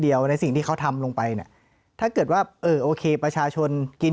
ในสิ่งที่เขาทำลงไปเนี่ยถ้าเกิดว่าเออโอเคประชาชนกิน